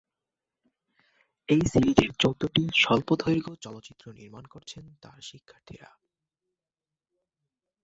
এই সিরিজের চৌদ্দটি স্বল্পদৈর্ঘ্য চলচ্চিত্র নির্মান করছেন তার শিক্ষার্থীরা।